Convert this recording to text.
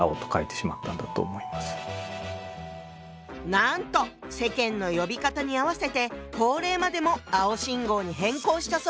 なんと世間の呼び方に合わせて法令までも「青信号」に変更したそうよ。